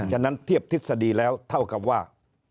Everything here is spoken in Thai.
ฉะนั้นเทียบทฤษฎีแล้วเท่ากับว่า